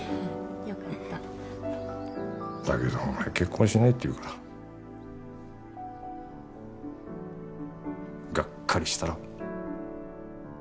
よかっただけどお前結婚しないって言うからがっかりしたろ？